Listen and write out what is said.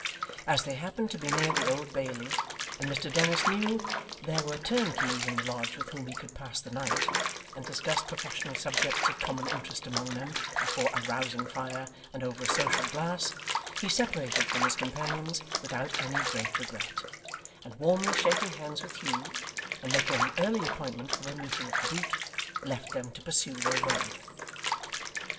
As they happened to be near the Old Bailey, and Mr Dennis knew there were turnkeys in the lodge with whom he could pass the night, and discuss professional subjects of common interest among them before a rousing fire, and over a social glass, he separated from his companions without any great regret, and warmly shaking hands with Hugh, and making an early appointment for their meeting at The Boot, left them to pursue their road.